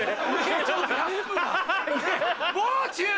「もう中」